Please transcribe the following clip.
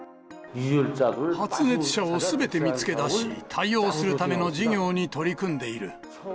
発熱者をすべて見つけ出し、対応するための事業に取り組んでいる。